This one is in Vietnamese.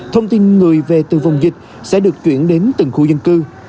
thông tin người về từ vùng dịch sẽ được chuyển đến từng khu dân cư